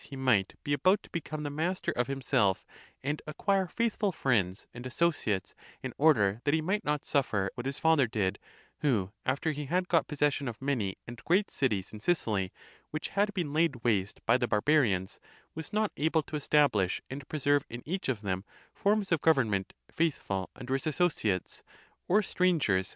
he might be about to become the master of himself, and acquire faithful friends and associ ates, in order that he might not suffer what his father did ; who, after he had got possession of many and great cities in Sicily, which had been laid waste by the Barbarians, was not able to establish and preserve in each of them forms of govern ment, faithful under his associates, or strangers